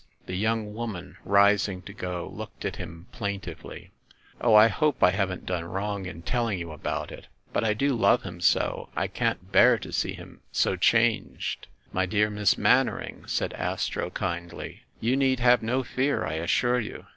The young woman, rising to go, looked at him plain tively. "Oh, I hope I haven't done wrong in telling you about it ! But I do love him so I can't bear to see him so changed !" "My dear Miss Mannering," said Astro kindly, "you need have no fear, I assure you.